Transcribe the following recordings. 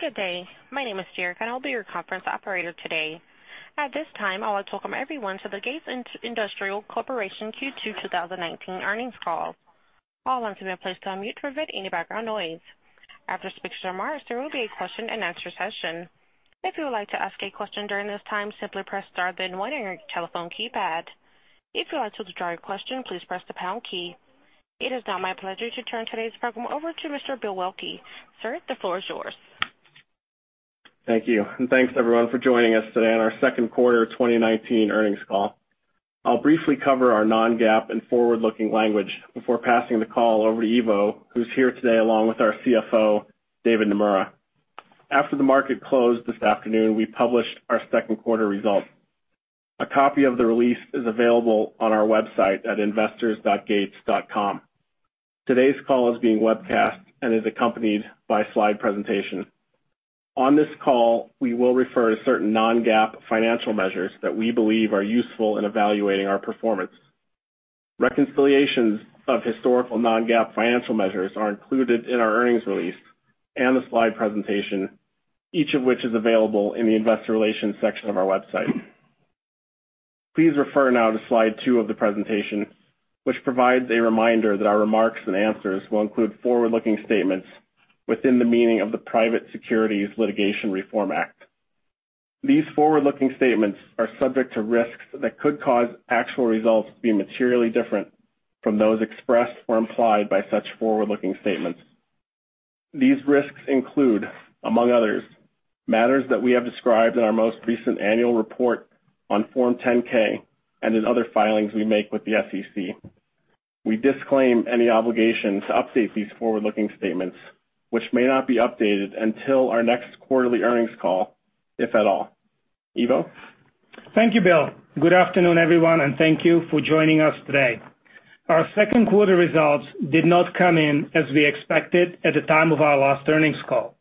Good day. My name is Jurek, and I'll be your conference operator today. At this time, I'll welcome everyone to the Gates Industrial Corporation Q2 2019 earnings call. All lines will be placed on mute to avoid any background noise. After speakers are marked, there will be a question-and-answer session. If you would like to ask a question during this time, simply press star then 1 on your telephone keypad. If you would like to withdraw your question, please press the pound key. It is now my pleasure to turn today's program over to Mr. Bill Waelke. Sir, the floor is yours. Thank you. Thanks, everyone, for joining us today on our second quarter 2019 earnings call. I'll briefly cover our non-GAAP and forward-looking language before passing the call over to Ivo, who's here today along with our CFO, David Nomura. After the market closed this afternoon, we published our second quarter results. A copy of the release is available on our website at investors.gates.com. Today's call is being webcast and is accompanied by a slide presentation. On this call, we will refer to certain non-GAAP financial measures that we believe are useful in evaluating our performance. Reconciliations of historical non-GAAP financial measures are included in our earnings release and the slide presentation, each of which is available in the investor relations section of our website. Please refer now to slide two of the presentation, which provides a reminder that our remarks and answers will include forward-looking statements within the meaning of the Private Securities Litigation Reform Act. These forward-looking statements are subject to risks that could cause actual results to be materially different from those expressed or implied by such forward-looking statements. These risks include, among others, matters that we have described in our most recent annual report on Form 10-K and in other filings we make with the SEC. We disclaim any obligations to update these forward-looking statements, which may not be updated until our next quarterly earnings call, if at all. Ivo? Thank you, Bill. Good afternoon, everyone, and thank you for joining us today. Our second quarter results did not come in as we expected at the time of our last earnings call.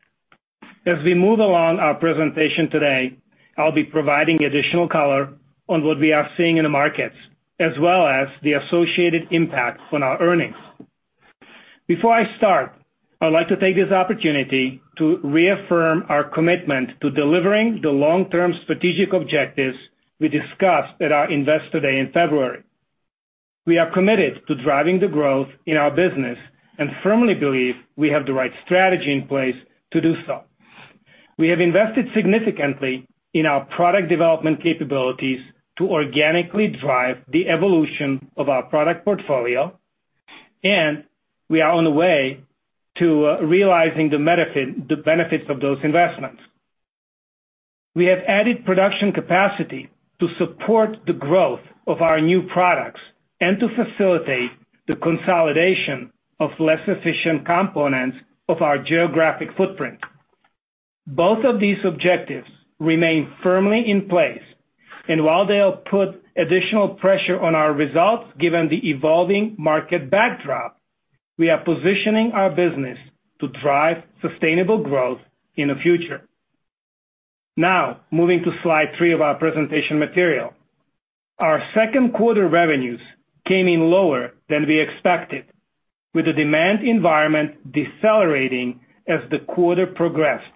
As we move along our presentation today, I'll be providing additional color on what we are seeing in the markets, as well as the associated impact on our earnings. Before I start, I'd like to take this opportunity to reaffirm our commitment to delivering the long-term strategic objectives we discussed at our Investor Day in February. We are committed to driving the growth in our business and firmly believe we have the right strategy in place to do so. We have invested significantly in our product development capabilities to organically drive the evolution of our product portfolio, and we are on the way to realizing the benefits of those investments. We have added production capacity to support the growth of our new products and to facilitate the consolidation of less efficient components of our geographic footprint. Both of these objectives remain firmly in place, and while they'll put additional pressure on our results given the evolving market backdrop, we are positioning our business to drive sustainable growth in the future. Now, moving to slide three of our presentation material. Our second quarter revenues came in lower than we expected, with the demand environment decelerating as the quarter progressed.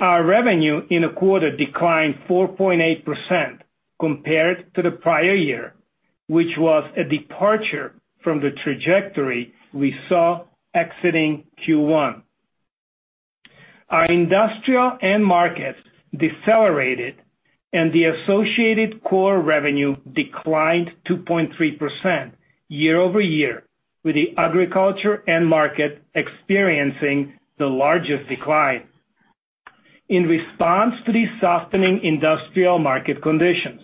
Our revenue in the quarter declined 4.8% compared to the prior year, which was a departure from the trajectory we saw exiting Q1. Our industrial end markets decelerated, and the associated core revenue declined 2.3% year over year, with the agriculture end market experiencing the largest decline. In response to these softening industrial market conditions,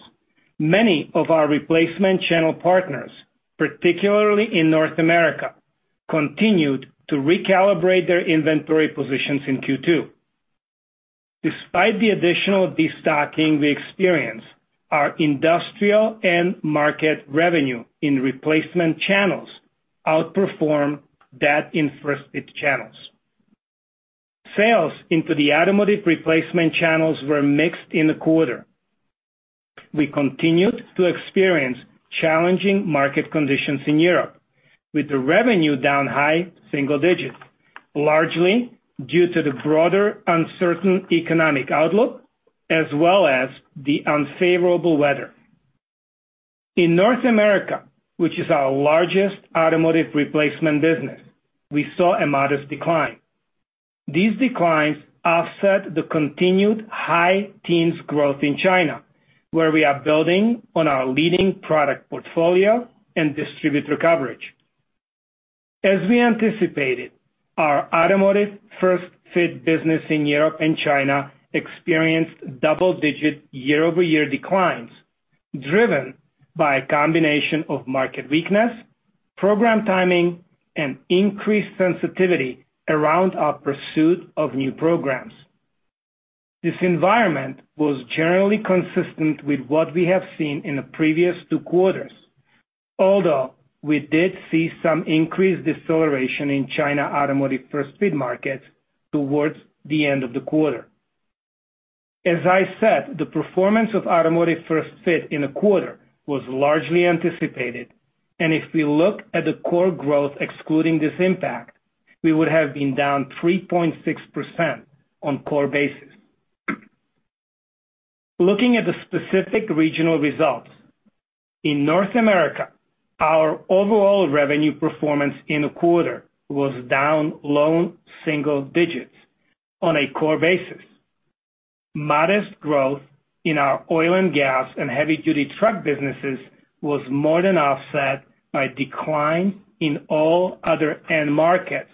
many of our replacement channel partners, particularly in North America, continued to recalibrate their inventory positions in Q2. Despite the additional destocking we experienced, our industrial end market revenue in replacement channels outperformed that in first fit channels. Sales into the automotive replacement channels were mixed in the quarter. We continued to experience challenging market conditions in Europe, with the revenue down high single digits, largely due to the broader uncertain economic outlook as well as the unfavorable weather. In North America, which is our largest automotive replacement business, we saw a modest decline. These declines offset the continued high teens growth in China, where we are building on our leading product portfolio and distributor coverage. As we anticipated, our automotive first fit business in Europe and China experienced double-digit year-over-year declines, driven by a combination of market weakness, program timing, and increased sensitivity around our pursuit of new programs. This environment was generally consistent with what we have seen in the previous two quarters, although we did see some increased deceleration in China automotive first fit markets towards the end of the quarter. As I said, the performance of automotive first fit in the quarter was largely anticipated, and if we look at the core growth excluding this impact, we would have been down 3.6% on a core basis. Looking at the specific regional results, in North America, our overall revenue performance in the quarter was down low single digits on a core basis. Modest growth in our oil and gas and heavy-duty truck businesses was more than offset by decline in all other end markets,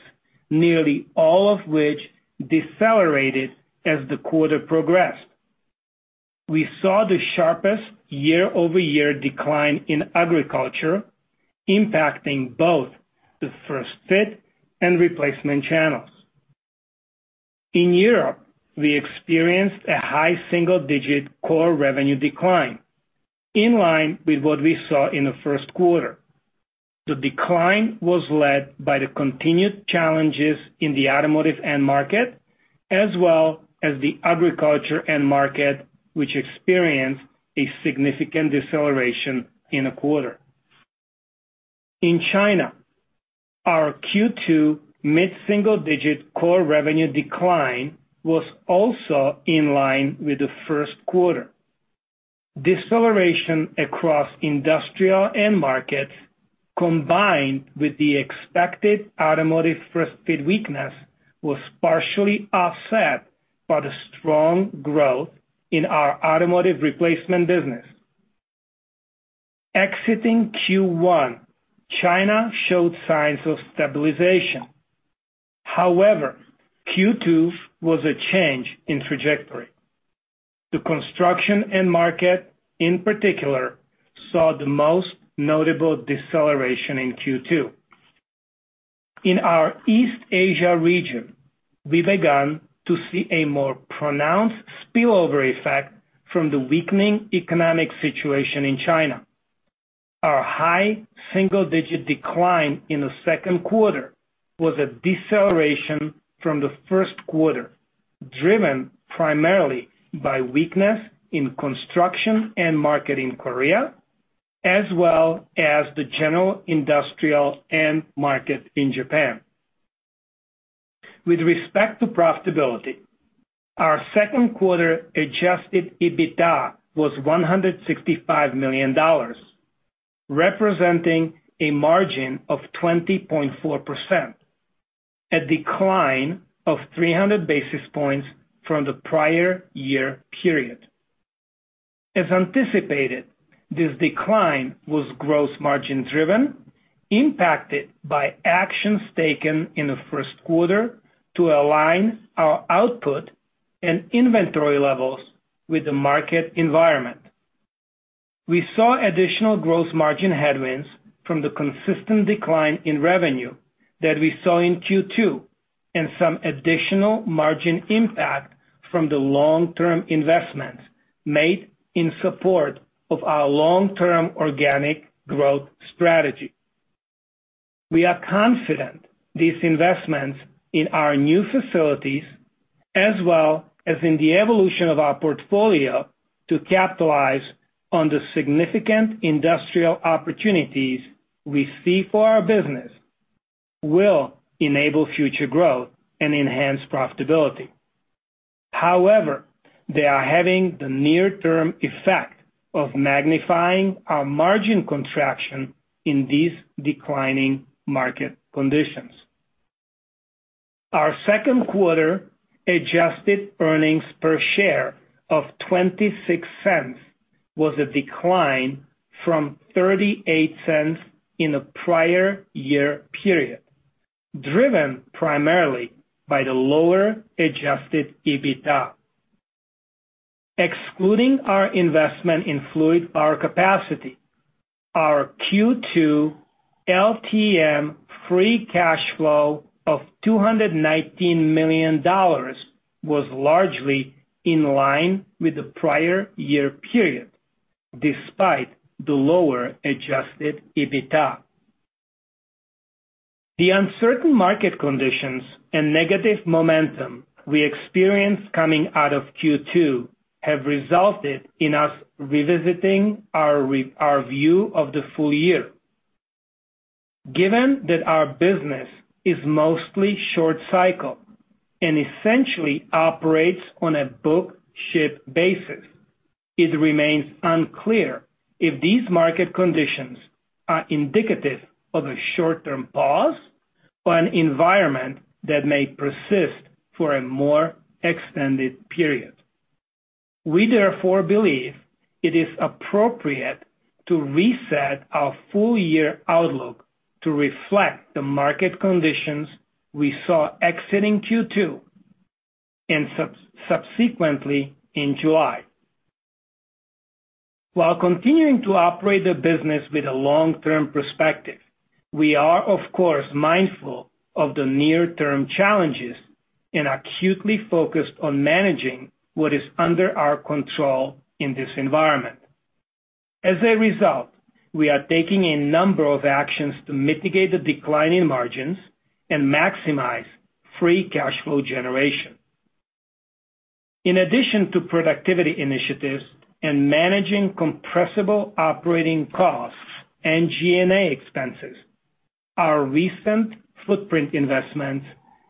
nearly all of which decelerated as the quarter progressed. We saw the sharpest year-over-year decline in agriculture, impacting both the first fit and replacement channels. In Europe, we experienced a high single-digit core revenue decline, in line with what we saw in the first quarter. The decline was led by the continued challenges in the automotive end market, as well as the agriculture end market, which experienced a significant deceleration in the quarter. In China, our Q2 mid-single-digit core revenue decline was also in line with the first quarter. Deceleration across industrial end markets, combined with the expected automotive first fit weakness, was partially offset by the strong growth in our automotive replacement business. Exiting Q1, China showed signs of stabilization. However, Q2 was a change in trajectory. The construction end market, in particular, saw the most notable deceleration in Q2. In our East Asia region, we began to see a more pronounced spillover effect from the weakening economic situation in China. Our high single-digit decline in the second quarter was a deceleration from the first quarter, driven primarily by weakness in construction end market in Korea, as well as the general industrial end market in Japan. With respect to profitability, our second quarter adjusted EBITDA was $165 million, representing a margin of 20.4%, a decline of 300 basis points from the prior year period. As anticipated, this decline was gross margin-driven, impacted by actions taken in the first quarter to align our output and inventory levels with the market environment. We saw additional gross margin headwinds from the consistent decline in revenue that we saw in Q2 and some additional margin impact from the long-term investments made in support of our long-term organic growth strategy. We are confident these investments in our new facilities, as well as in the evolution of our portfolio to capitalize on the significant industrial opportunities we see for our business, will enable future growth and enhance profitability. However, they are having the near-term effect of magnifying our margin contraction in these declining market conditions. Our second quarter adjusted earnings per share of $0.26 was a decline from $0.38 in the prior year period, driven primarily by the lower adjusted EBITDA. Excluding our investment in fluid power capacity, our Q2 LTM free cash flow of $219 million was largely in line with the prior year period, despite the lower adjusted EBITDA. The uncertain market conditions and negative momentum we experienced coming out of Q2 have resulted in us revisiting our view of the full year. Given that our business is mostly short cycle and essentially operates on a book ship basis, it remains unclear if these market conditions are indicative of a short-term pause or an environment that may persist for a more extended period. We therefore believe it is appropriate to reset our full-year outlook to reflect the market conditions we saw exiting Q2 and subsequently in July. While continuing to operate the business with a long-term perspective, we are, of course, mindful of the near-term challenges and acutely focused on managing what is under our control in this environment. As a result, we are taking a number of actions to mitigate the decline in margins and maximize free cash flow generation. In addition to productivity initiatives and managing compressible operating costs and G&A expenses, our recent footprint investments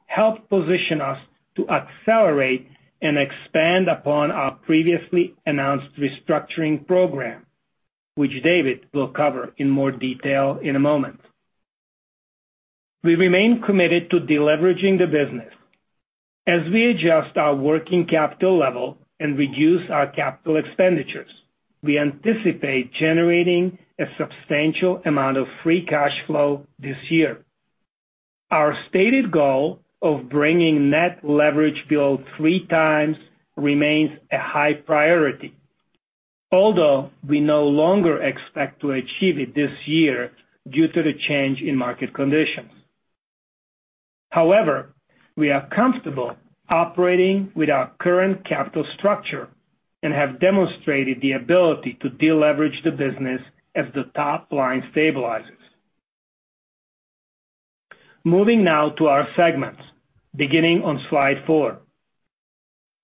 helped position us to accelerate and expand upon our previously announced restructuring program, which David will cover in more detail in a moment. We remain committed to deleveraging the business. As we adjust our working capital level and reduce our capital expenditures, we anticipate generating a substantial amount of free cash flow this year. Our stated goal of bringing net leverage below three times remains a high priority, although we no longer expect to achieve it this year due to the change in market conditions. However, we are comfortable operating with our current capital structure and have demonstrated the ability to deleverage the business as the top line stabilizes. Moving now to our segments, beginning on slide four.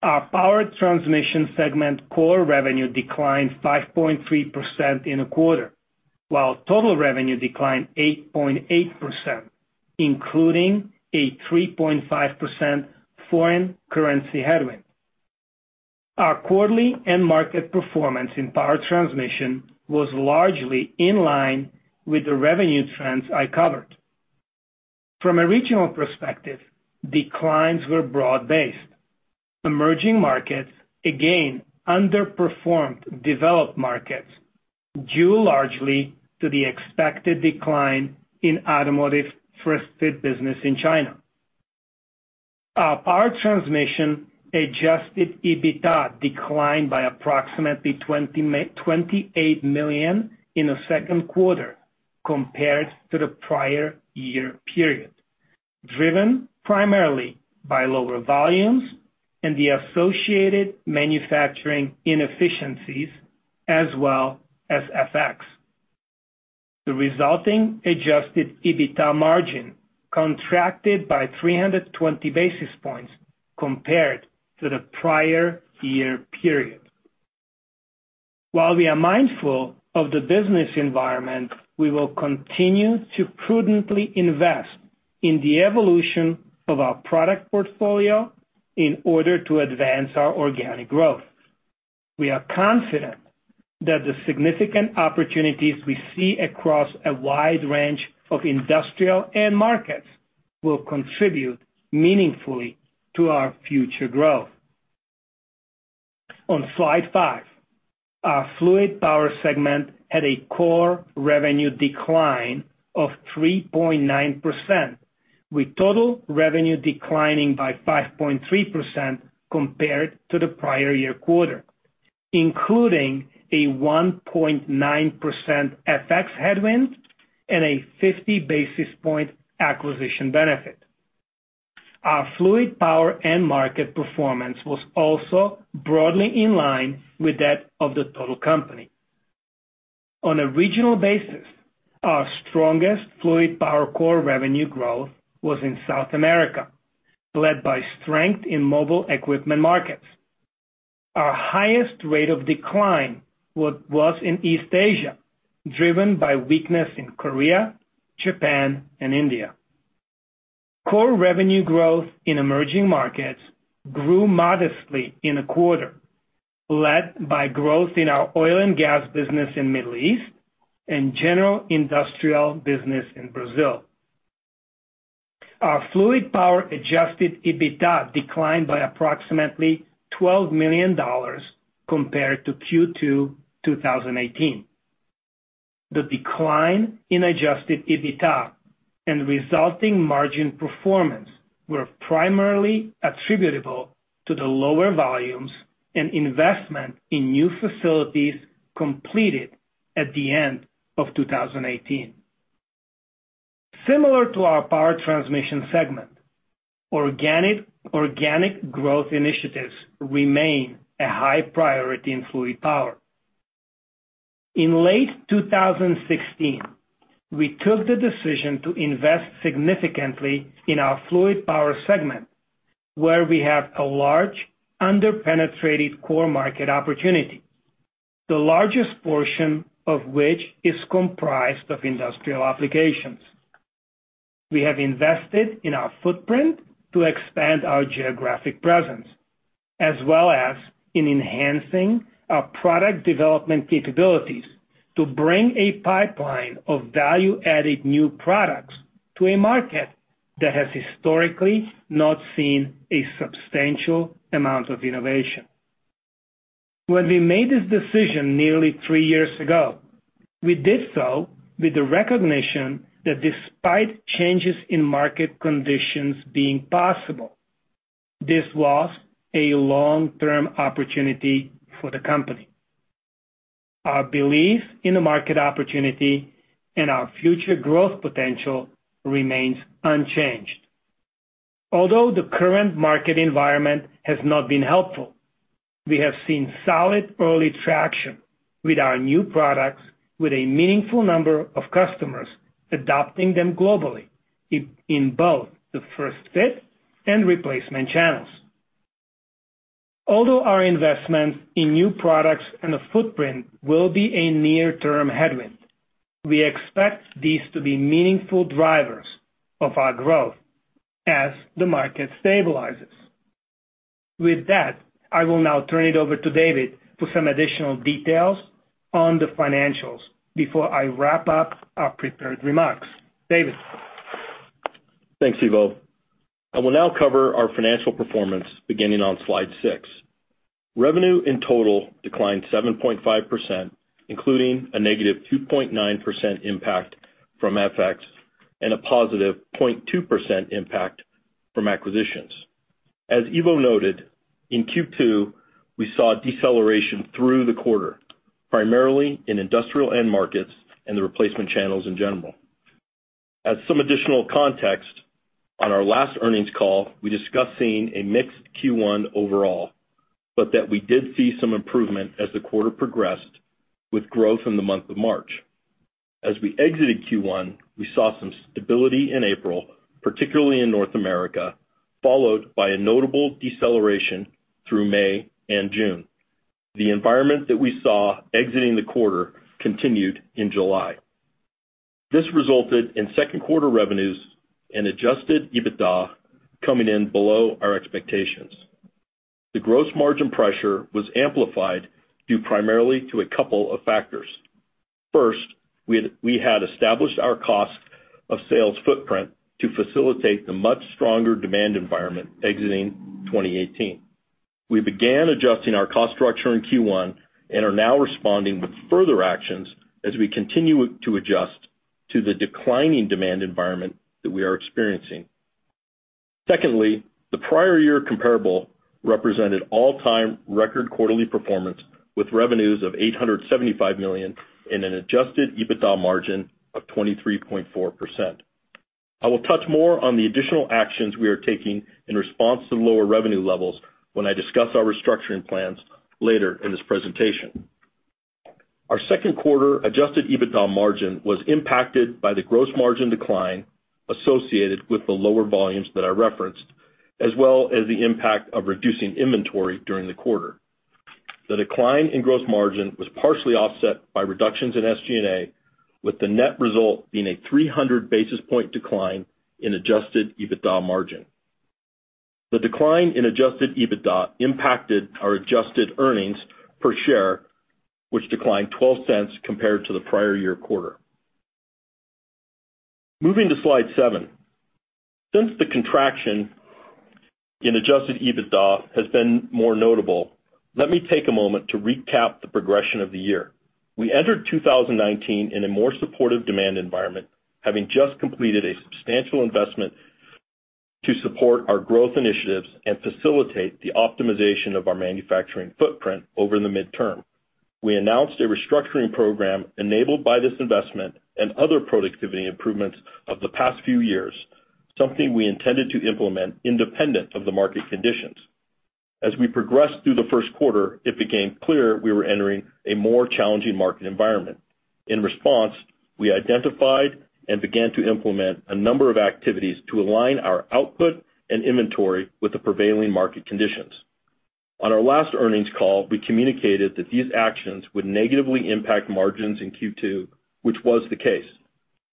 Our power transmission segment core revenue declined 5.3% in the quarter, while total revenue declined 8.8%, including a 3.5% foreign currency headwind. Our quarterly end market performance in power transmission was largely in line with the revenue trends I covered. From a regional perspective, declines were broad-based. Emerging markets again underperformed developed markets due largely to the expected decline in automotive first fit business in China. Our power transmission adjusted EBITDA declined by approximately $28 million in the second quarter compared to the prior year period, driven primarily by lower volumes and the associated manufacturing inefficiencies, as well as FX. The resulting adjusted EBITDA margin contracted by 320 basis points compared to the prior year period. While we are mindful of the business environment, we will continue to prudently invest in the evolution of our product portfolio in order to advance our organic growth. We are confident that the significant opportunities we see across a wide range of industrial end markets will contribute meaningfully to our future growth. On slide five, our fluid power segment had a core revenue decline of 3.9%, with total revenue declining by 5.3% compared to the prior year quarter, including a 1.9% FX headwind and a 50 basis point acquisition benefit. Our fluid power end market performance was also broadly in line with that of the total company. On a regional basis, our strongest fluid power core revenue growth was in South America, led by strength in mobile equipment markets. Our highest rate of decline was in East Asia, driven by weakness in Korea, Japan, and India. Core revenue growth in emerging markets grew modestly in the quarter, led by growth in our oil and gas business in the Middle East and general industrial business in Brazil. Our fluid power adjusted EBITDA declined by approximately $12 million compared to Q2 2018. The decline in adjusted EBITDA and resulting margin performance were primarily attributable to the lower volumes and investment in new facilities completed at the end of 2018. Similar to our power transmission segment, organic growth initiatives remain a high priority in fluid power. In late 2016, we took the decision to invest significantly in our fluid power segment, where we have a large under-penetrated core market opportunity, the largest portion of which is comprised of industrial applications. We have invested in our footprint to expand our geographic presence, as well as in enhancing our product development capabilities to bring a pipeline of value-added new products to a market that has historically not seen a substantial amount of innovation. When we made this decision nearly three years ago, we did so with the recognition that despite changes in market conditions being possible, this was a long-term opportunity for the company. Our belief in the market opportunity and our future growth potential remains unchanged. Although the current market environment has not been helpful, we have seen solid early traction with our new products, with a meaningful number of customers adopting them globally in both the first fit and replacement channels. Although our investments in new products and the footprint will be a near-term headwind, we expect these to be meaningful drivers of our growth as the market stabilizes. With that, I will now turn it over to David for some additional details on the financials before I wrap up our prepared remarks. David. Thanks, Ivo. I will now cover our financial performance beginning on slide six. Revenue in total declined 7.5%, including a negative 2.9% impact from FX and a positive 0.2% impact from acquisitions. As Ivo noted, in Q2, we saw deceleration through the quarter, primarily in industrial end markets and the replacement channels in general. As some additional context, on our last earnings call, we discussed seeing a mixed Q1 overall, but that we did see some improvement as the quarter progressed with growth in the month of March. As we exited Q1, we saw some stability in April, particularly in North America, followed by a notable deceleration through May and June. The environment that we saw exiting the quarter continued in July. This resulted in second quarter revenues and adjusted EBITDA coming in below our expectations. The gross margin pressure was amplified due primarily to a couple of factors. First, we had established our cost of sales footprint to facilitate the much stronger demand environment exiting 2018. We began adjusting our cost structure in Q1 and are now responding with further actions as we continue to adjust to the declining demand environment that we are experiencing. Secondly, the prior year comparable represented all-time record quarterly performance with revenues of $875 million and an adjusted EBITDA margin of 23.4%. I will touch more on the additional actions we are taking in response to the lower revenue levels when I discuss our restructuring plans later in this presentation. Our second quarter adjusted EBITDA margin was impacted by the gross margin decline associated with the lower volumes that I referenced, as well as the impact of reducing inventory during the quarter. The decline in gross margin was partially offset by reductions in SG&A, with the net result being a 300 basis point decline in adjusted EBITDA margin. The decline in adjusted EBITDA impacted our adjusted earnings per share, which declined $0.12 compared to the prior year quarter. Moving to slide seven. Since the contraction in adjusted EBITDA has been more notable, let me take a moment to recap the progression of the year. We entered 2019 in a more supportive demand environment, having just completed a substantial investment to support our growth initiatives and facilitate the optimization of our manufacturing footprint over the midterm. We announced a restructuring program enabled by this investment and other productivity improvements of the past few years, something we intended to implement independent of the market conditions. As we progressed through the first quarter, it became clear we were entering a more challenging market environment. In response, we identified and began to implement a number of activities to align our output and inventory with the prevailing market conditions. On our last earnings call, we communicated that these actions would negatively impact margins in Q2, which was the case.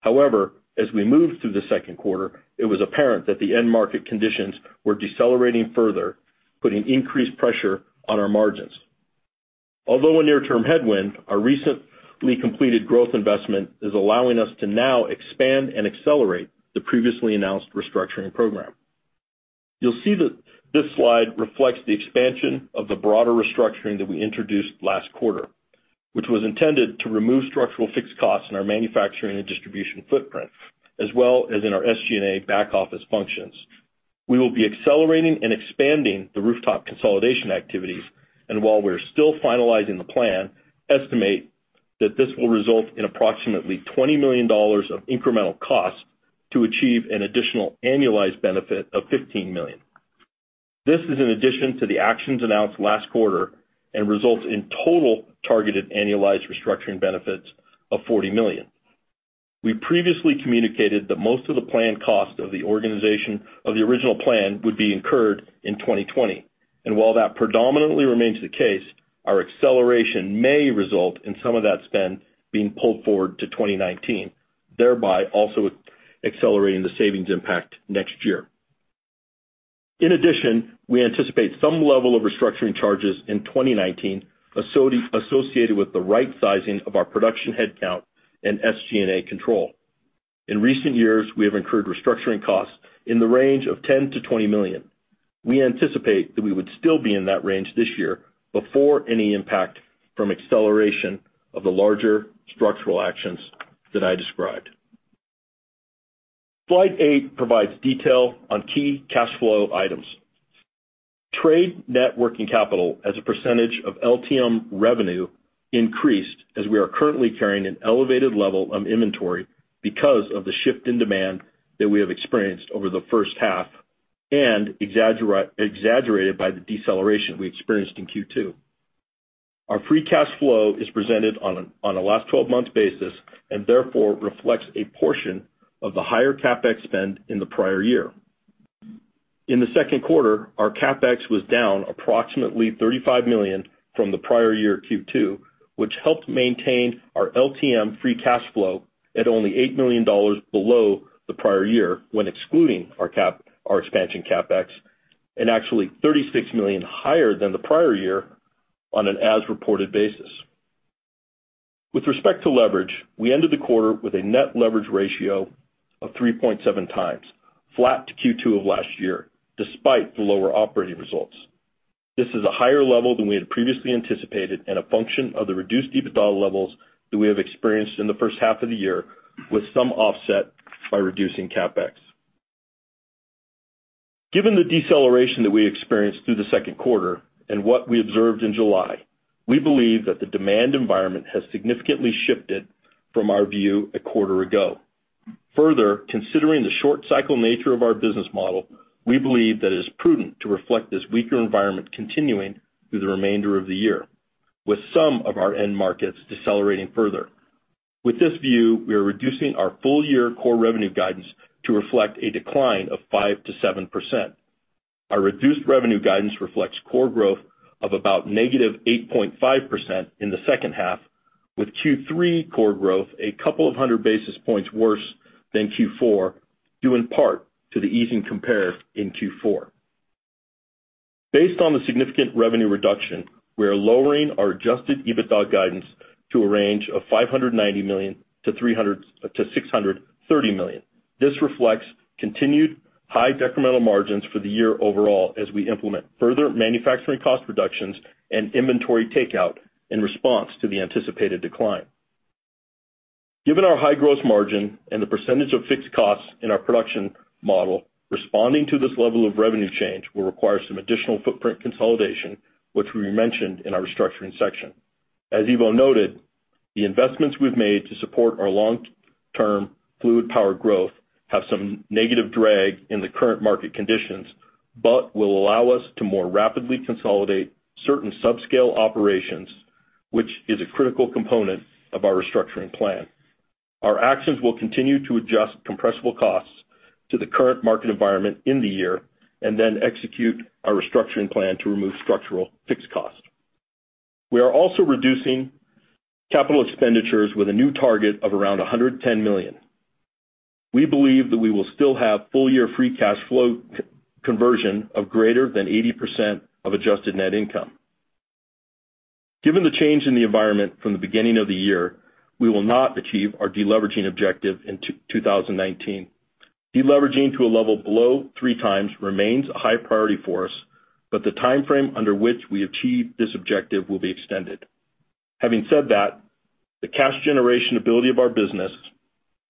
However, as we moved through the second quarter, it was apparent that the end market conditions were decelerating further, putting increased pressure on our margins. Although a near-term headwind, our recently completed growth investment is allowing us to now expand and accelerate the previously announced restructuring program. You will see that this slide reflects the expansion of the broader restructuring that we introduced last quarter, which was intended to remove structural fixed costs in our manufacturing and distribution footprint, as well as in our SG&A back office functions. We will be accelerating and expanding the rooftop consolidation activities, and while we're still finalizing the plan, estimate that this will result in approximately $20 million of incremental costs to achieve an additional annualized benefit of $15 million. This is in addition to the actions announced last quarter and results in total targeted annualized restructuring benefits of $40 million. We previously communicated that most of the planned cost of the original plan would be incurred in 2020, and while that predominantly remains the case, our acceleration may result in some of that spend being pulled forward to 2019, thereby also accelerating the savings impact next year. In addition, we anticipate some level of restructuring charges in 2019 associated with the right-sizing of our production headcount and SG&A control. In recent years, we have incurred restructuring costs in the range of $10-$20 million. We anticipate that we would still be in that range this year before any impact from acceleration of the larger structural actions that I described. Slide eight provides detail on key cash flow items. Trade net working capital as a percentage of LTM revenue increased as we are currently carrying an elevated level of inventory because of the shift in demand that we have experienced over the first half and exaggerated by the deceleration we experienced in Q2. Our free cash flow is presented on a last 12-month basis and therefore reflects a portion of the higher CapEx spend in the prior year. In the second quarter, our CapEx was down approximately $35 million from the prior year Q2, which helped maintain our LTM free cash flow at only $8 million below the prior year when excluding our expansion CapEx and actually $36 million higher than the prior year on an as-reported basis. With respect to leverage, we ended the quarter with a net leverage ratio of 3.7 times, flat to Q2 of last year, despite the lower operating results. This is a higher level than we had previously anticipated and a function of the reduced EBITDA levels that we have experienced in the first half of the year with some offset by reducing CapEx. Given the deceleration that we experienced through the second quarter and what we observed in July, we believe that the demand environment has significantly shifted from our view a quarter ago. Further, considering the short-cycle nature of our business model, we believe that it is prudent to reflect this weaker environment continuing through the remainder of the year, with some of our end markets decelerating further. With this view, we are reducing our full-year core revenue guidance to reflect a decline of 5-7%. Our reduced revenue guidance reflects core growth of about negative 8.5% in the second half, with Q3 core growth a couple of hundred basis points worse than Q4, due in part to the easing compared in Q4. Based on the significant revenue reduction, we are lowering our adjusted EBITDA guidance to a range of $590 million-$630 million. This reflects continued high decremental margins for the year overall as we implement further manufacturing cost reductions and inventory takeout in response to the anticipated decline. Given our high gross margin and the percentage of fixed costs in our production model, responding to this level of revenue change will require some additional footprint consolidation, which we mentioned in our restructuring section. As Ivo noted, the investments we've made to support our long-term fluid power growth have some negative drag in the current market conditions, but will allow us to more rapidly consolidate certain subscale operations, which is a critical component of our restructuring plan. Our actions will continue to adjust compressible costs to the current market environment in the year and then execute our restructuring plan to remove structural fixed costs. We are also reducing capital expenditures with a new target of around $110 million. We believe that we will still have full-year free cash flow conversion of greater than 80% of adjusted net income. Given the change in the environment from the beginning of the year, we will not achieve our deleveraging objective in 2019. Deleveraging to a level below three times remains a high priority for us, but the timeframe under which we achieve this objective will be extended. Having said that, the cash generation ability of our business,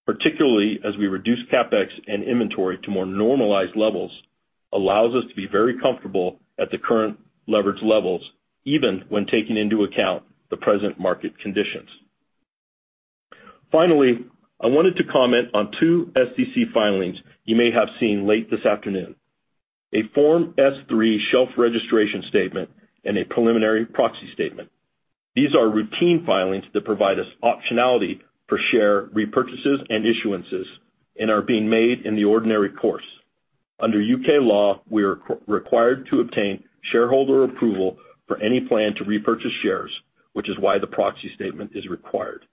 particularly as we reduce CapEx and inventory to more normalized levels, allows us to be very comfortable at the current leverage levels, even when taking into account the present market conditions. Finally, I wanted to comment on two SDC filings you may have seen late this afternoon: a Form S-3 shelf registration statement and a preliminary proxy statement. These are routine filings that provide us optionality for share repurchases and issuances and are being made in the ordinary course. Under U.K. law, we are required to obtain shareholder approval for any plan to repurchase shares, which is why the proxy statement is required.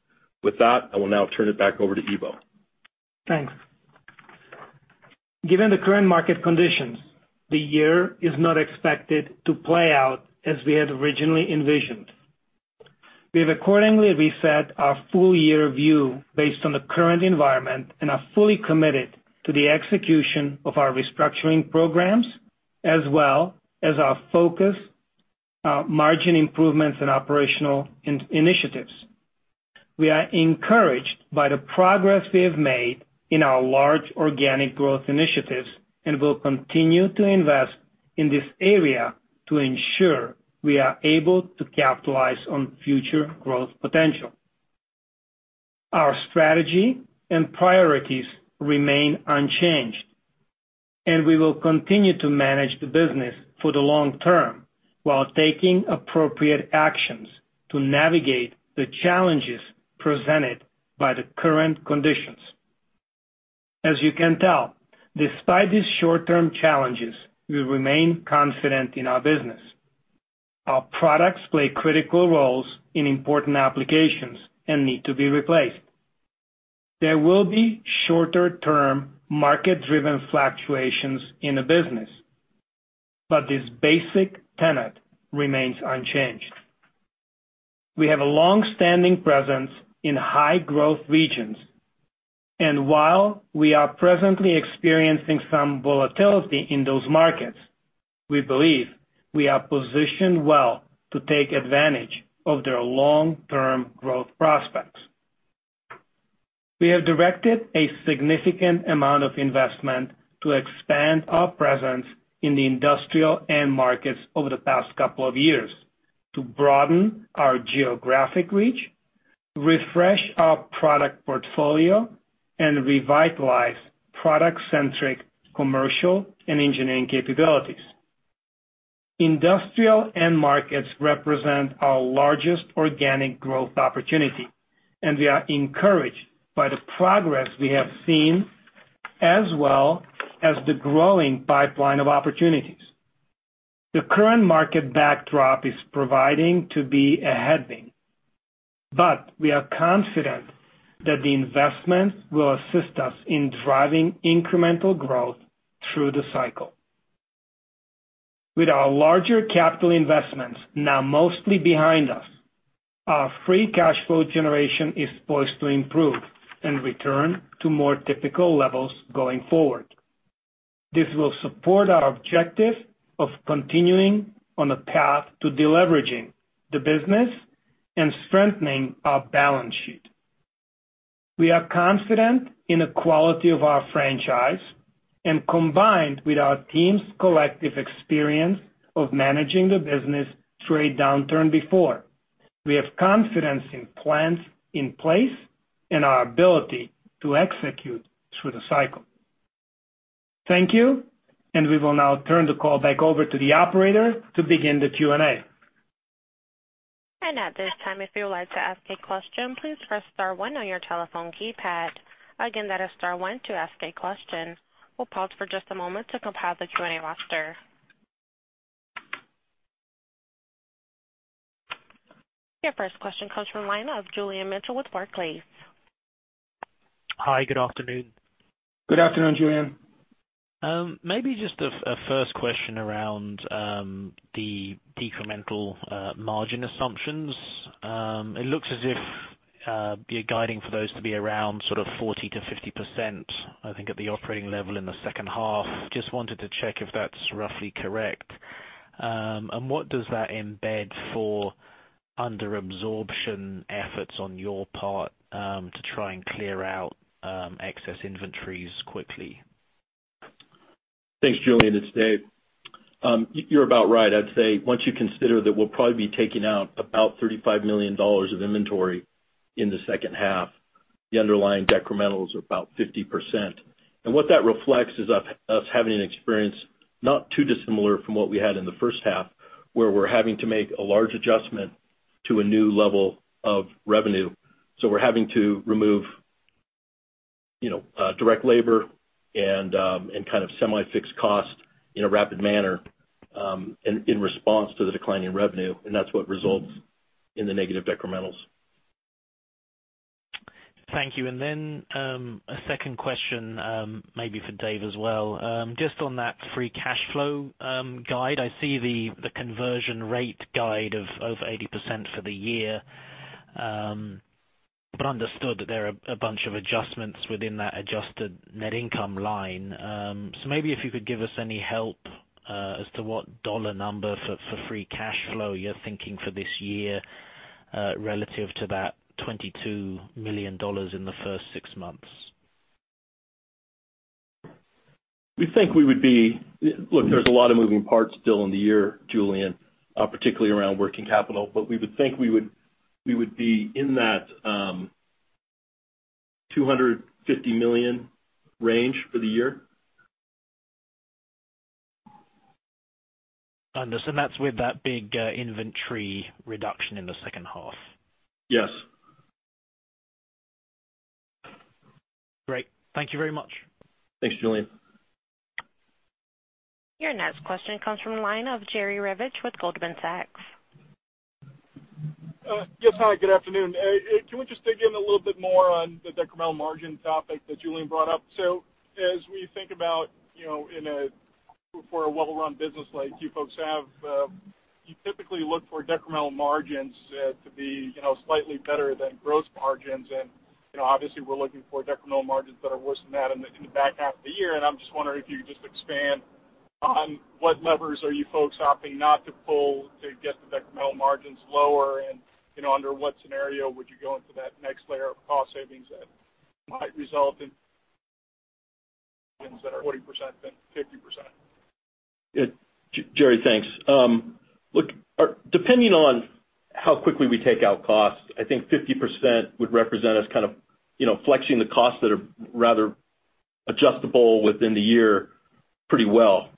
With that, I will now turn it back over to Ivo. Thanks. Given the current market conditions, the year is not expected to play out as we had originally envisioned. We have accordingly reset our full-year view based on the current environment and are fully committed to the execution of our restructuring programs, as well as our focus on margin improvements and operational initiatives. We are encouraged by the progress we have made in our large organic growth initiatives and will continue to invest in this area to ensure we are able to capitalize on future growth potential. Our strategy and priorities remain unchanged, and we will continue to manage the business for the long term while taking appropriate actions to navigate the challenges presented by the current conditions. As you can tell, despite these short-term challenges, we remain confident in our business. Our products play critical roles in important applications and need to be replaced. There will be shorter-term market-driven fluctuations in the business, but this basic tenet remains unchanged. We have a long-standing presence in high-growth regions, and while we are presently experiencing some volatility in those markets, we believe we are positioned well to take advantage of their long-term growth prospects. We have directed a significant amount of investment to expand our presence in the industrial end markets over the past couple of years to broaden our geographic reach, refresh our product portfolio, and revitalize product-centric commercial and engineering capabilities. Industrial end markets represent our largest organic growth opportunity, and we are encouraged by the progress we have seen, as well as the growing pipeline of opportunities. The current market backdrop is proving to be a headwind, but we are confident that the investment will assist us in driving incremental growth through the cycle. With our larger capital investments now mostly behind us, our free cash flow generation is poised to improve and return to more typical levels going forward. This will support our objective of continuing on a path to deleveraging the business and strengthening our balance sheet. We are confident in the quality of our franchise and, combined with our team's collective experience of managing the business through a downturn before, we have confidence in plans in place and our ability to execute through the cycle. Thank you, and we will now turn the call back over to the operator to begin the Q&A. At this time, if you would like to ask a question, please press star one on your telephone keypad. Again, that is star one to ask a question. We'll pause for just a moment to compile the Q&A roster. Your first question comes from Lionel of Julian Mitchell with Barclays. Hi, good afternoon. Good afternoon, Julian. Maybe just a first question around the decremental margin assumptions. It looks as if you're guiding for those to be around sort of 40-50%, I think, at the operating level in the second half. Just wanted to check if that's roughly correct. What does that embed for under-absorption efforts on your part to try and clear out excess inventories quickly? Thanks, Julian, it's Dave. You're about right. I'd say once you consider that we'll probably be taking out about $35 million of inventory in the second half. The underlying decremental are about 50%. What that reflects is us having an experience not too dissimilar from what we had in the first half, where we're having to make a large adjustment to a new level of revenue. We're having to remove direct labor and kind of semi-fixed costs in a rapid manner in response to the declining revenue, and that's what results in the negative decremental. Thank you. A second question maybe for Dave as well. Just on that free cash flow guide, I see the conversion rate guide of 80% for the year, but understood that there are a bunch of adjustments within that adjusted net income line. Maybe if you could give us any help as to what dollar number for free cash flow you're thinking for this year relative to that $22 million in the first six months. We think we would be, look, there's a lot of moving parts still in the year, Julian, particularly around working capital, but we would think we would be in that $250 million range for the year. Understood. And that's with that big inventory reduction in the second half? Yes. Great. Thank you very much. Thanks, Julian. Your next question comes from Lionel of Jerry Revich with Goldman Sachs. Yes, hi, good afternoon. Can we just dig in a little bit more on the decremental margin topic that Julian brought up? As we think about, in a well-run business like you folks have, you typically look for decremental margins to be slightly better than gross margins. Obviously, we're looking for decremental margins that are worse than that in the back half of the year. I'm just wondering if you could expand on what levers you folks are opting not to pull to get the decremental margins lower, and under what scenario would you go into that next layer of cost savings that might result in margins that are 40% than 50%. Jerry, thanks. Look, depending on how quickly we take out costs, I think 50% would represent us kind of flexing the costs that are rather adjustable within the year pretty well.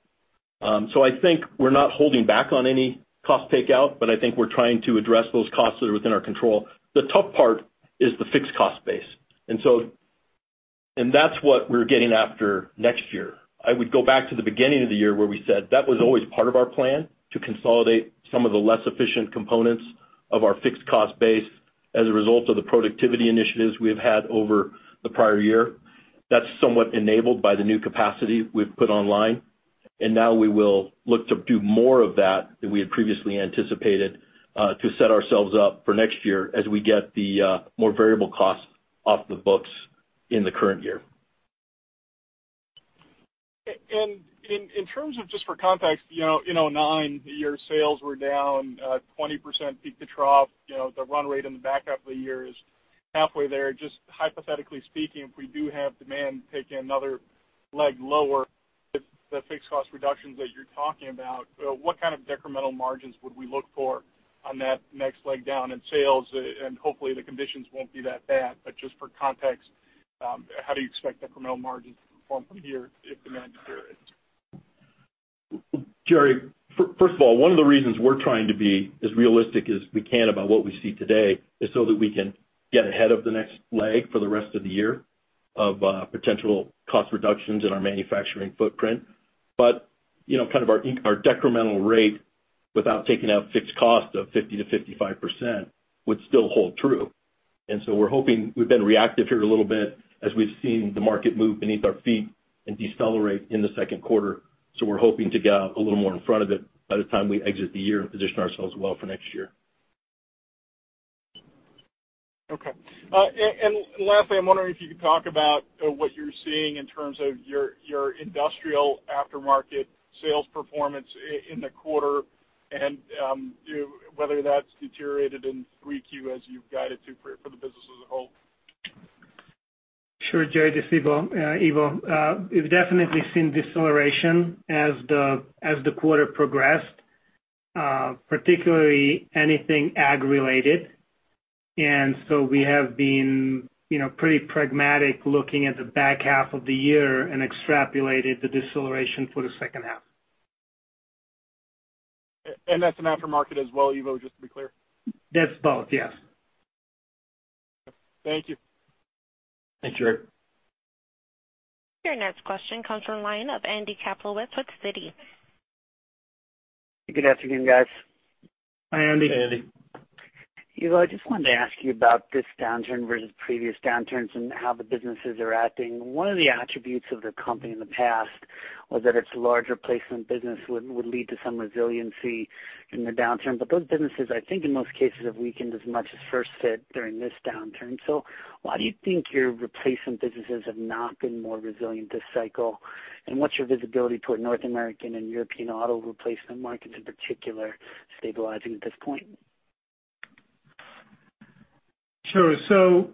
I think we're not holding back on any cost takeout, but I think we're trying to address those costs that are within our control. The tough part is the fixed cost base. That's what we're getting after next year. I would go back to the beginning of the year where we said that was always part of our plan to consolidate some of the less efficient components of our fixed cost base as a result of the productivity initiatives we have had over the prior year. That's somewhat enabled by the new capacity we've put online. Now we will look to do more of that than we had previously anticipated to set ourselves up for next year as we get the more variable costs off the books in the current year. In terms of just for context, you know in nine years, sales were down 20%, peak to trough. The run rate in the back half of the year is halfway there. Just hypothetically speaking, if we do have demand take another leg lower with the fixed cost reductions that you're talking about, what kind of decremental margins would we look for on that next leg down in sales? Hopefully, the conditions won't be that bad. Just for context, how do you expect decremental margins to perform from here if demand deteriorates? Jerry, first of all, one of the reasons we're trying to be as realistic as we can about what we see today is so that we can get ahead of the next leg for the rest of the year of potential cost reductions in our manufacturing footprint. Kind of our decremental rate without taking out fixed cost of 50-55% would still hold true. We're hoping we've been reactive here a little bit as we've seen the market move beneath our feet and decelerate in the second quarter. We're hoping to get out a little more in front of it by the time we exit the year and position ourselves well for next year. Okay. Lastly, I'm wondering if you could talk about what you're seeing in terms of your industrial aftermarket sales performance in the quarter and whether that's deteriorated as you've guided to for the business as a whole. Sure, Jerry. Ivo, we've definitely seen deceleration as the quarter progressed, particularly anything ag-related. We have been pretty pragmatic looking at the back half of the year and extrapolated the deceleration for the second half. That is in aftermarket as well, Ivo, just to be clear? That is both, yes. Thank you. Thanks, Jerry. Your next question comes from Lionel of Andy Kaplowitz with Footsitti. Good afternoon, guys. Hi, Andy. Hey, Andy. Ivo, I just wanted to ask you about this downturn versus previous downturns and how the businesses are acting. One of the attributes of the company in the past was that its large replacement business would lead to some resiliency in the downturn. Those businesses, I think in most cases, have weakened as much as first fit during this downturn. Why do you think your replacement businesses have not been more resilient this cycle? What is your visibility toward North American and European auto replacement markets in particular stabilizing at this point? Sure. Through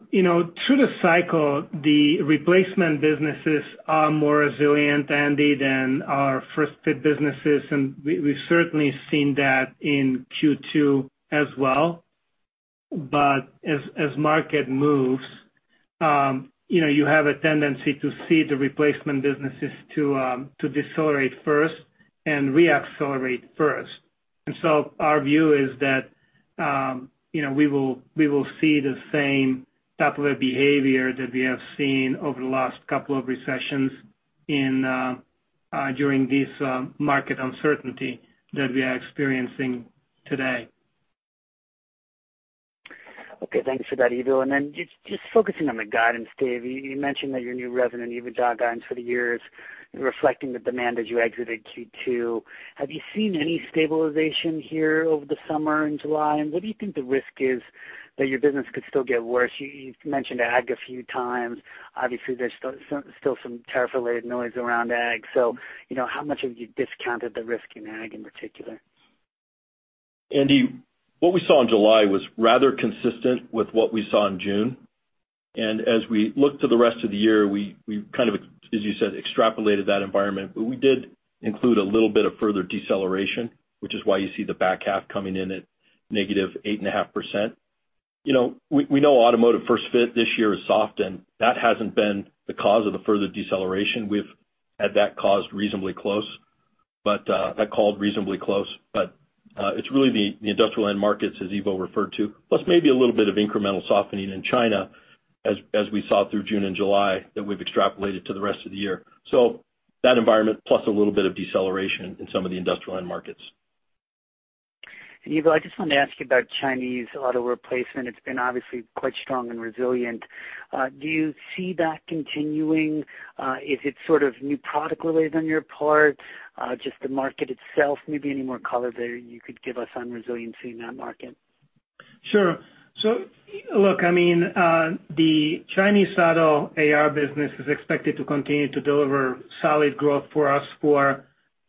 the cycle, the replacement businesses are more resilient, Andy, than our first-fit businesses. We have certainly seen that in Q2 as well. As market moves, you have a tendency to see the replacement businesses decelerate first and re-accelerate first. Our view is that we will see the same type of behavior that we have seen over the last couple of recessions during this market uncertainty that we are experiencing today. Okay. Thanks for that, Ivo. Focusing on the guidance, Dave, you mentioned that your new revenue and even job guidance for the year is reflecting the demand as you exited Q2. Have you seen any stabilization here over the summer in July? What do you think the risk is that your business could still get worse? You've mentioned ag a few times. Obviously, there's still some tariff-related noise around ag. How much have you discounted the risk in ag in particular? Andy, what we saw in July was rather consistent with what we saw in June. As we looked to the rest of the year, we kind of, as you said, extrapolated that environment. We did include a little bit of further deceleration, which is why you see the back half coming in at negative 8.5%. We know automotive first fit this year is soft, and that hasn't been the cause of the further deceleration. We've had that called reasonably close. It is really the industrial end markets, as Ivo referred to, plus maybe a little bit of incremental softening in China as we saw through June and July that we have extrapolated to the rest of the year. That environment, plus a little bit of deceleration in some of the industrial end markets. Ivo, I just wanted to ask you about Chinese auto replacement. It has been obviously quite strong and resilient. Do you see that continuing? Is it sort of new product related on your part? Just the market itself, maybe any more color there you could give us on resiliency in that market? Sure. Look, I mean, the Chinese auto AR business is expected to continue to deliver solid growth for us for a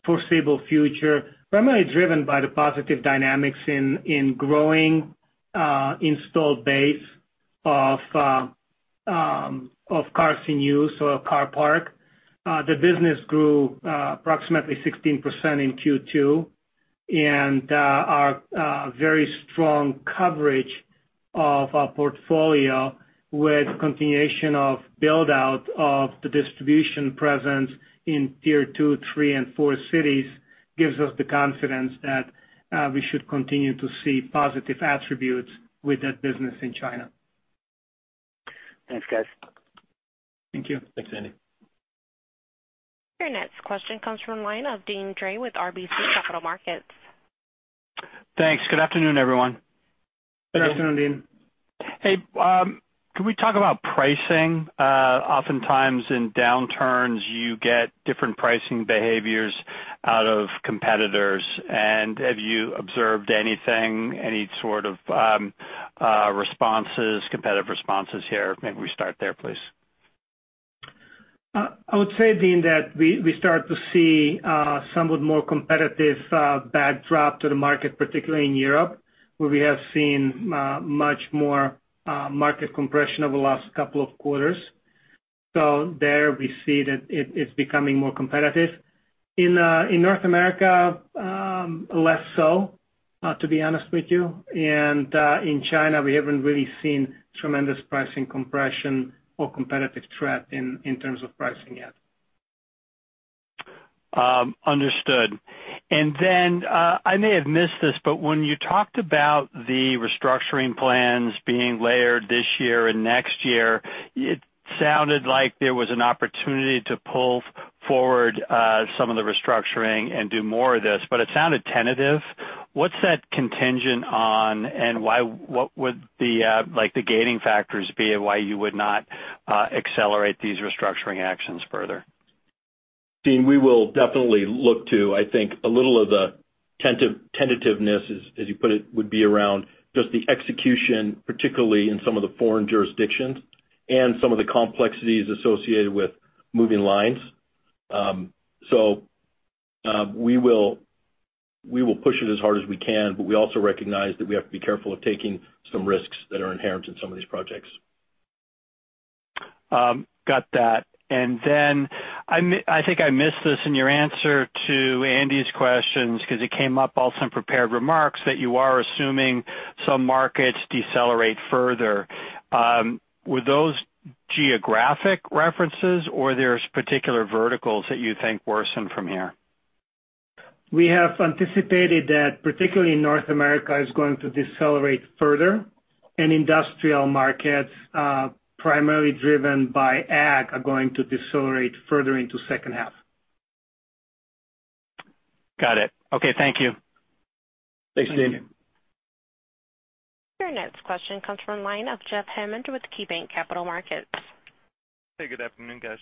foreseeable future, primarily driven by the positive dynamics in growing installed base of cars in use or car park. The business grew approximately 16% in Q2. And our very strong coverage of our portfolio with continuation of build-out of the distribution presence in tier two, three, and four cities gives us the confidence that we should continue to see positive attributes with that business in China. Thanks, guys. Thank you. Thanks, Andy. Your next question comes from Lionel of Deane Dray with RBC Capital Markets. Thanks. Good afternoon, everyone. Good afternoon, Deane. Hey, can we talk about pricing? Oftentimes in downturns, you get different pricing behaviors out of competitors. Have you observed anything, any sort of responses, competitive responses here? Maybe we start there, please. I would say, Deane, that we start to see somewhat more competitive backdrop to the market, particularly in Europe, where we have seen much more market compression over the last couple of quarters. There we see that it's becoming more competitive. In North America, less so, to be honest with you. In China, we haven't really seen tremendous pricing compression or competitive threat in terms of pricing yet. Understood. I may have missed this, but when you talked about the restructuring plans being layered this year and next year, it sounded like there was an opportunity to pull forward some of the restructuring and do more of this. It sounded tentative. What's that contingent on, and what would the gating factors be of why you would not accelerate these restructuring actions further? Dean, we will definitely look to, I think, a little of the tentativeness, as you put it, would be around just the execution, particularly in some of the foreign jurisdictions and some of the complexities associated with moving lines. We will push it as hard as we can, but we also recognize that we have to be careful of taking some risks that are inherent in some of these projects. Got that. I think I missed this in your answer to Andy's questions because it came up also in prepared remarks that you are assuming some markets decelerate further. Were those geographic references, or are there particular verticals that you think worsen from here? We have anticipated that particularly North America is going to decelerate further, and industrial markets primarily driven by ag are going to decelerate further into the second half. Got it. Okay. Thank you. Thanks, Deane. Your next question comes from Jeff Hammond with KeyBanc Capital Markets. Hey, good afternoon, guys.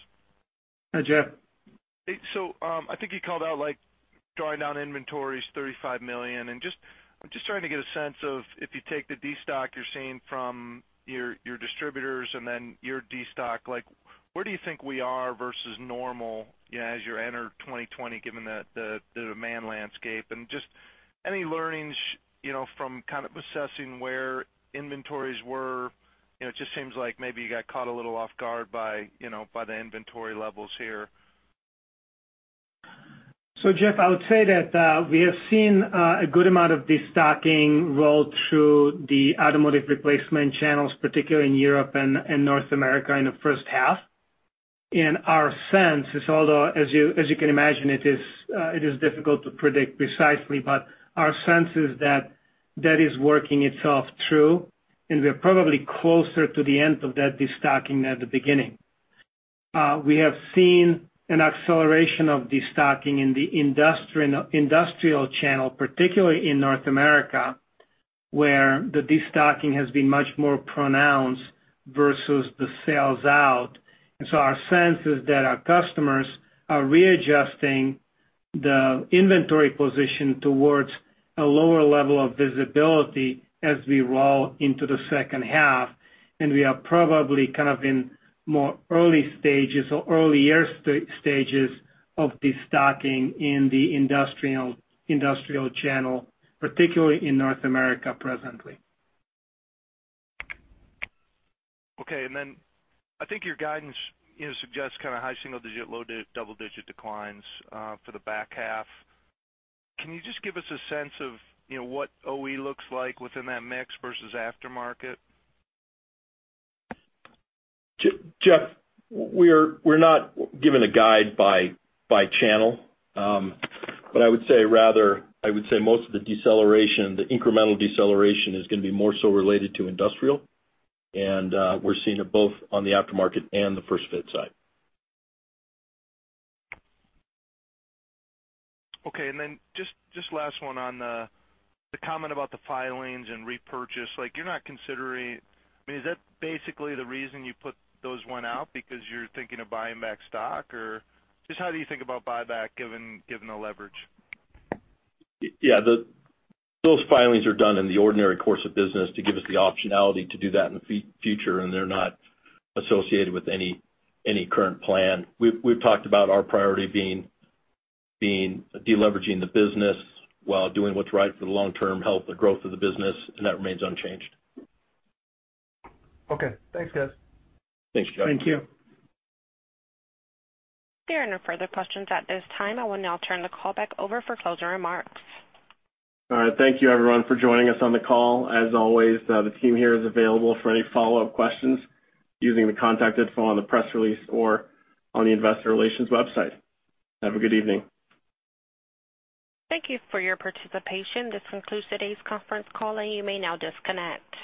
Hi, Jeff. I think you called out drawing down inventories $35 million. I'm just trying to get a sense of if you take the destock you're seeing from your distributors and then your destock, where do you think we are versus normal as you enter 2020, given the demand landscape? Just any learnings from kind of assessing where inventories were? It just seems like maybe you got caught a little off guard by the inventory levels here. Jeff, I would say that we have seen a good amount of destocking roll through the automotive replacement channels, particularly in Europe and North America in the first half. Our sense is, although, as you can imagine, it is difficult to predict precisely, but our sense is that that is working itself through. We are probably closer to the end of that destocking than the beginning. We have seen an acceleration of destocking in the industrial channel, particularly in North America, where the destocking has been much more pronounced versus the sales out. Our sense is that our customers are readjusting the inventory position towards a lower level of visibility as we roll into the second half. We are probably kind of in more early stages or early years stages of destocking in the industrial channel, particularly in North America presently. Okay. I think your guidance suggests kind of high single-digit, low double-digit declines for the back half. Can you just give us a sense of what OE looks like within that mix versus aftermarket? Jeff, we're not giving a guide by channel. I would say rather, I would say most of the deceleration, the incremental deceleration is going to be more so related to industrial. We're seeing it both on the aftermarket and the first-fit side. Okay. Just last one on the comment about the filings and repurchase. You're not considering, I mean, is that basically the reason you put those one out? Because you're thinking of buying back stock? Or just how do you think about buyback given the leverage? Yeah. Those filings are done in the ordinary course of business to give us the optionality to do that in the future. They're not associated with any current plan. We've talked about our priority being deleveraging the business while doing what's right for the long-term health and growth of the business. That remains unchanged. Okay. Thanks, guys. Thanks, Jeff. Thank you. There are no further questions at this time. I will now turn the call back over for closing remarks. All right. Thank you, everyone, for joining us on the call. As always, the team here is available for any follow-up questions using the contact info on the press release or on the investor relations website. Have a good evening. Thank you for your participation. This concludes today's conference call, and you may now disconnect.